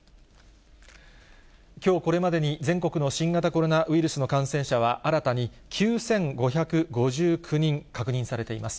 きょうこれまでに全国の新型コロナウイルスの感染者は、新たに９５５９人確認されています。